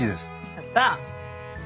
やった。